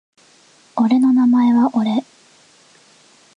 俺の名前は俺